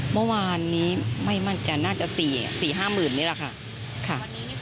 เมื่อวานนี้ไม่มั่นใจน่าจะ๔๕๐๐๐นี่แหละค่ะ